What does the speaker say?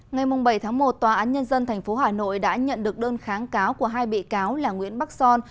ngày bảy tháng một tòa án nhân dân tp hà nội đã nhận được đơn kháng cáo của hai bị cáo là nguyễn bắc son